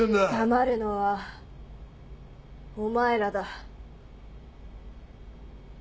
黙るのはお前らだ。